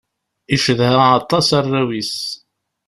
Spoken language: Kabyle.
Icedha aṭas arraw-is.